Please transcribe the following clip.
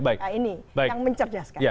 nah ini yang mencerdaskan